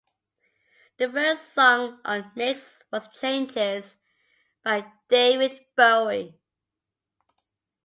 The first song on "Mix" was "Changes" by David Bowie.